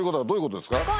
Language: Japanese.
どういうことですか？